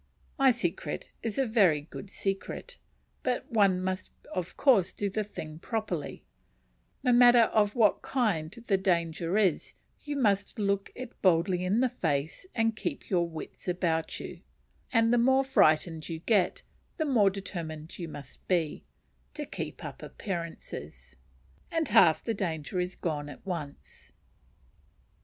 My secret is a very good secret; but one must of course do the thing properly: no matter of what kind the danger is, you must look it boldly in the face and keep your wits about you, and the more frightened you get the more determined you must be to keep up appearances and half the danger is gone at once.